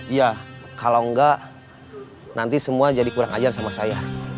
iya kalau enggak nanti semua jadi kurang ajar sama saya